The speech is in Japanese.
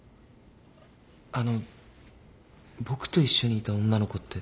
あの僕と一緒にいた女の子って？